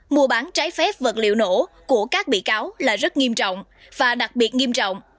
mua bán trái phép vật liệu nổ của các bị cáo là rất nghiêm trọng và đặc biệt nghiêm trọng